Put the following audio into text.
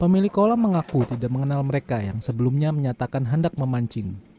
pemilik kolam mengaku tidak mengenal mereka yang sebelumnya menyatakan hendak memancing